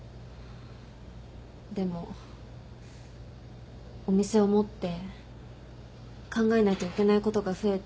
でもお店を持って考えないといけないことが増えて。